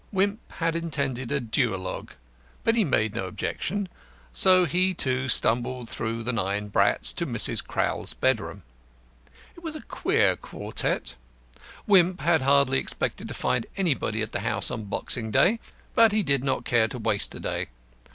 Wimp had intended a duologue, but he made no objection, so he, too, stumbled through the nine brats to Mrs. Crowl's bedroom. It was a queer quartette. Wimp had hardly expected to find anybody at the house on Boxing Day, but he did not care to waste a day.